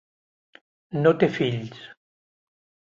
No té fills.